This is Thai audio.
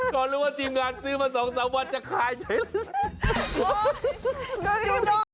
ก็รู้ว่าทีมงานซื้อมาสองสามวันจะคลายใช่ไหม